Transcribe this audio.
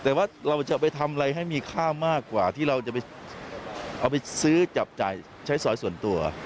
เอาไปซื้อจับจ่ายใช้ซอยส่วนตัว